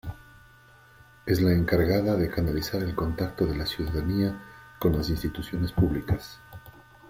Es la encargada de canalizar el contacto de la ciudadanía con las instituciones públicas.